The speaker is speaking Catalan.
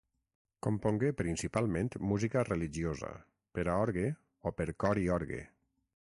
Compongué principalment música religiosa, per a orgue o per cor i orgue.